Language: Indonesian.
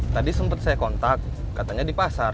tadi sempat saya kontak katanya di pasar